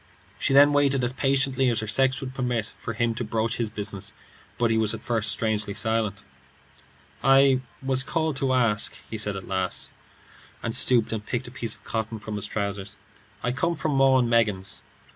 She then waited as patiently as her sex would permit, for him to broach his business, but he was at first strangely silent. "I was asked to call," he said at last, and stooped and picked a piece of cotton from his trousers. "I come from 'Maw and Meggins.'"